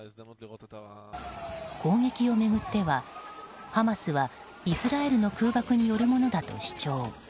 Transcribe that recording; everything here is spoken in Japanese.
攻撃を巡っては、ハマスはイスラエルの空爆によるものだと主張。